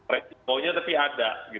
resikonya tapi ada